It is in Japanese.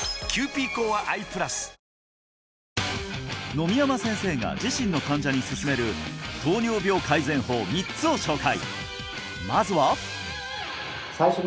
野見山先生が自身の患者に勧める糖尿病改善法３つを紹介！